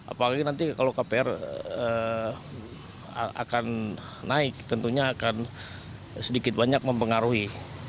apalagi nanti kalau kpr akan naik tentunya akan sedikit banyak mempengaruhi